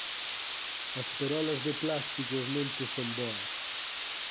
As perolas de plásticos non che son boas